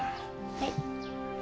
はい。